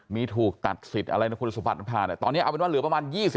มีถูกตัดสิทธิ์อะไรนะคุณสุพรรณภาเนี่ยตอนนี้เอาเป็นว่าเหลือประมาณ๒๐